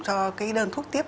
cho cái đơn thuốc tiếp